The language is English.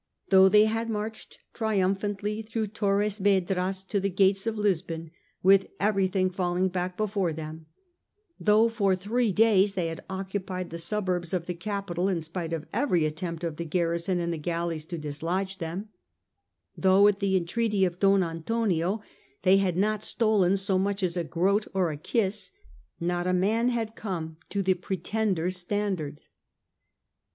Though they had marched triumphantly through Torres Yedras to the gates of Lisbon, with everything falling back before them ; though for three days they had occupied the suburbs of the capital in spite of every attempt of the garrison and the galleys to dislodge them ; though at the entreaty of Don Antonio they had not stolen so much as a groat or a kiss, not a man had come to the Pretender's standard.